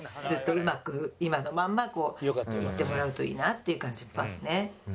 ずっとうまく今のままこういってもらうといいなっていう感じしますね。